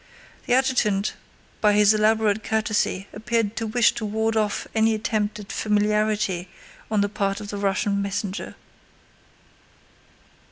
The adjutant by his elaborate courtesy appeared to wish to ward off any attempt at familiarity on the part of the Russian messenger.